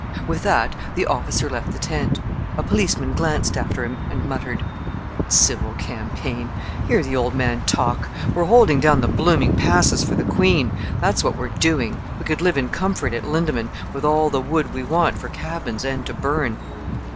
With that the officer left the tent. A policeman glanced after him and muttered, "Civil campaign! Hear the old man talk! We're holding down the blooming Passes for the Queen! That's what we're doing. We could live in comfort at Lindeman, with all the wood we want for cabins and to burn."